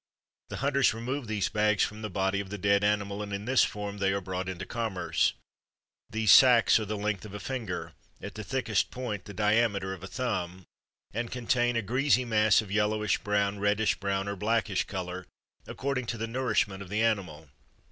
The hunters remove these bags from the body of the dead animal and in this form they are brought into commerce. These sacs are the length of a finger, at the thickest point the diameter of a thumb, and contain a greasy mass of yellowish brown, reddish brown, or blackish color, according to the nourishment of the animal.